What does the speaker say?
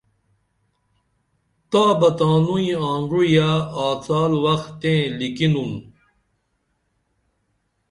تا بہ تانوئی آنگوعیہ آڅال وخ تیں لیکِھنُن